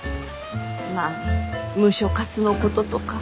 まあムショ活のこととか。